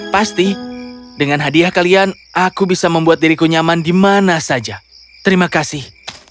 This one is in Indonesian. pasti dengan hadiah kalian aku bisa membuat diriku nyaman di mana saja terima kasih